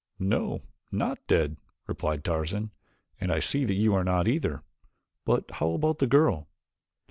"No, not dead," replied Tarzan, "and I see that you are not either. But how about the girl?"